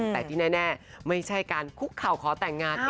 แต่ที่แน่ไม่ใช่การคุกเข่าขอแต่งงาน